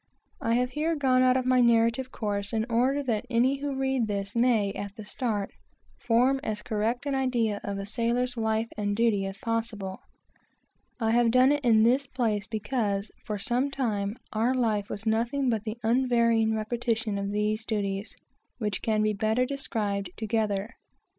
I have here gone out of my narrative course in order that any who read this may form as correct an idea of a sailor's life and duty as possible. I have done it in this place because, for some time, our life was nothing but the unvarying repetition of these duties, which can be better described together.